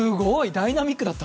ダイナミックだった！